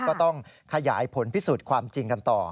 ก็ต้องขยายผลพิสูจน์ความจริงกันต่อ